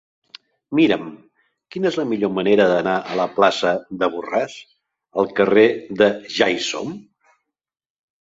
Mira'm quina és la millor manera d'anar de la plaça de Borràs al carrer de Ja-hi-som.